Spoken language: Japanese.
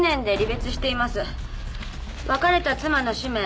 別れた妻の氏名